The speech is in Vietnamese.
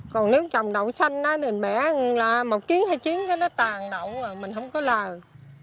còn nếu trồng đậu xanh thì mình bẻ một chiếc hai chiếc cái nó tàn đậu rồi mình không có lời